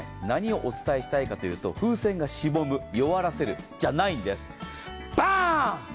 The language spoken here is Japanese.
これは何をお伝えしたいかというと、風船がしぼむ、弱らせる、じゃないんです。